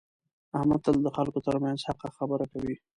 احمد تل د خلکو ترمنځ حقه خبره کوي.